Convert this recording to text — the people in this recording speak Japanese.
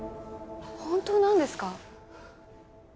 本当なんですか？